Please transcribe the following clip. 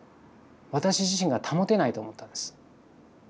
私自身が保てないと思ったんです。